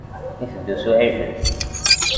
Iteddu s uɛijel.